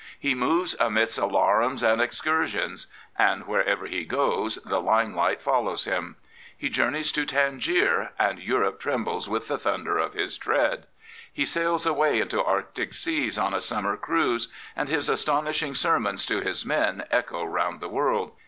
He moves amidst alarums and excursions. And wherever he goes the limelight follows him. He journeys to Tangier, and Europe trembles with the thunder of his tread. He sails away into Arctic seas on a summer cruise, and his astonishing sermons to his men echo round the world.